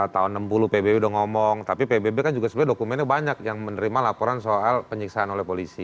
tahun enam puluh pbb udah ngomong tapi pbb kan juga sebenarnya dokumennya banyak yang menerima laporan soal penyiksaan oleh polisi